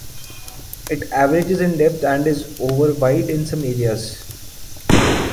It averages in depth and is over wide in some areas.